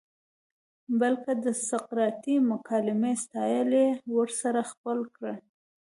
بلکه د سقراطی مکالمې سټائل ئې ورسره خپل کړۀ